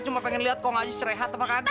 cuma pengen liat kok ngaji serehat apa kagak